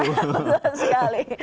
nah benar sekali